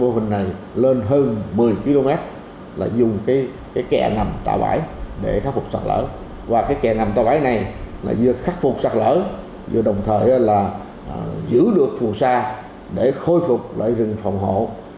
từ một mươi km là dùng cái kẹ nằm tạo bãi để khắc phục sạt lỡ và cái kẹ nằm tạo bãi này là vừa khắc phục sạt lỡ vừa đồng thời là giữ được phù sa để khôi phục lại rừng phòng hộ